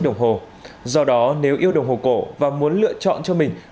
nhuống màu thơm